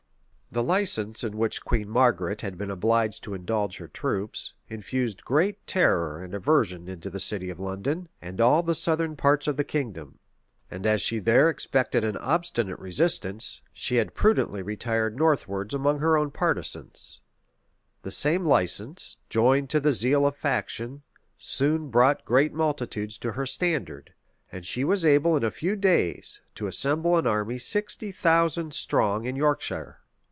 * Habington in Kennet, p. 431. Grafton, p. 791. The license in which Queen Margaret had been obliged to indulge her troops, infused great terror and aversion into the city of London, and all the southern parts of the kingdom; and as she there expected an obstinate resistance, she had prudently retired northwards among her own partisans. The same license, joined to the zeal of faction, soon brought great multitudes to her standard; and she was able, in a few days, to assemble an army sixty thousand strong in Yorkshire.